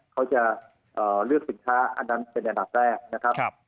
เขาจะเลือกสินค้าอันนั้นเป็นอันดับแรกนะครับ